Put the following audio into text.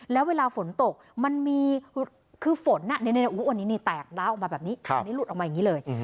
แล้วเวลาฝนตกมันมีคือฝนวันนี้นี่แตกล้าออกมาแบบนี้อันนี้หลุดออกมาอย่างนี้เลย